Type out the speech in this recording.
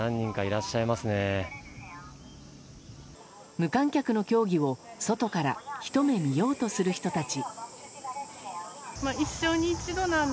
無観客の競技を外からひと目見ようとする人たち。